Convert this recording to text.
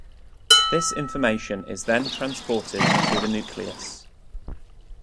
This information is then transported to the nucleus.